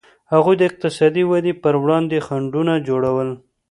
هغوی د اقتصادي ودې پر وړاندې خنډونه جوړول.